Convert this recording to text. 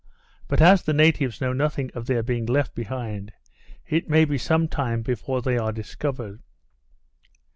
But as the natives knew nothing of their being left behind, it may be some time before they are discovered.